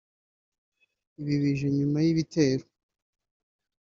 Ibi bije nyuma y’ibitero